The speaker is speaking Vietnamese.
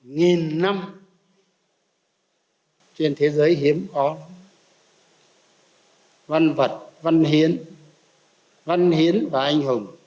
nghìn năm trên thế giới hiếm có văn vật văn hiến văn hiến và anh hùng